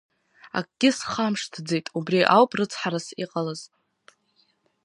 Акгьы схамшҭӡеит, убри ауп рыцҳарас иҟалаз.